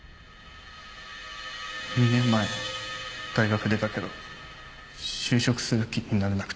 ２年前大学出たけど就職する気になれなくて。